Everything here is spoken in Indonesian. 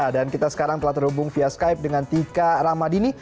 dan kita sekarang telah terhubung via skype dengan tika ramadini